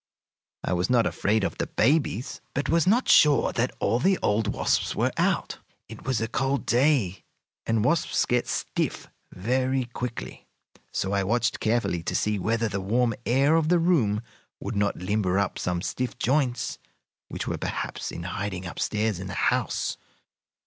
I was not afraid of the babies, but was not sure that all the old wasps were out. It was a cold day, and wasps get stiff very quickly, so I watched carefully to see whether the warm air of the room would not limber up some stiff joints which were perhaps in hiding up stairs in the house.